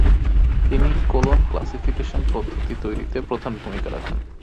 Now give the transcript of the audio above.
তিনি colon classification পদ্ধতি তৈরীতে প্রধান ভূমিকা রাখেন।